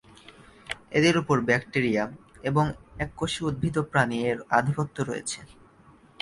এদের উপর ব্যাকটিরিয়া, এবং এককোষী উদ্ভিদ ও প্রাণী এর আধিপত্য রয়েছে।